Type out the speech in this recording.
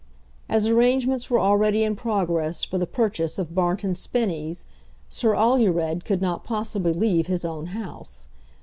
As arrangements were already in progress for the purchase of Barnton Spinnies, Sir Alured could not possibly leave his own house.